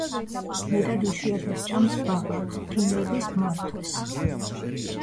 მეტად იშვიათად ჭამს ბაყაყს, ფრინველის მართვეს.